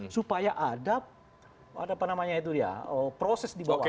supaya ada apa namanya itu ya proses di bawaslu